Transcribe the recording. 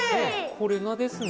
これがですね